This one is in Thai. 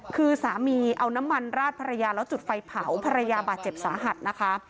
คือสามีเอาน้ำมันร่าจุดไฟเผาภรรยาบาดเจ็บสาหัตรนะคะ